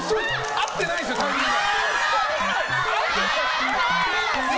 合ってないですよタイミング。